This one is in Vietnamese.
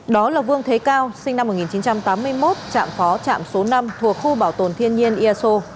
đó là vương thế cao sinh năm một nghìn chín trăm tám mươi một trạm phó trạm số năm thuộc khu bảo tồn thiên nhiên eso